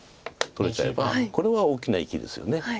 取れちゃえばこれは大きな生きですよね。